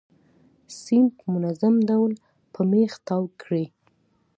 سیم په منظم ډول په میخ تاو کړئ.